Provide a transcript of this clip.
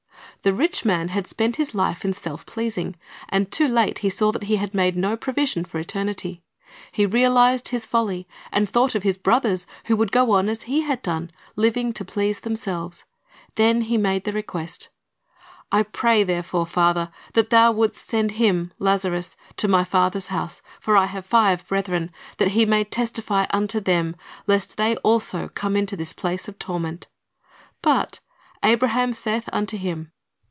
"^ The rich man had spent his life in self pleasing, and too late he saw that he had made no provision for eternity. He realized his folly, and thought of his brothers, who would go on as he had gone, living to please themselves. Then he made the request, "I pray thee therefore, father, that thou wouldst send him [Lazarus] to my father's house; for I have five brethren ; that he may testify unto them, lest they also come into this place of torment." But "Abraham saith unto him.